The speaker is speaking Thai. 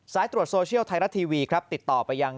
สายตรวจโซเชียลไทรัตทีวีติดต่อไปยัง